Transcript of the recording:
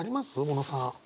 小野さん。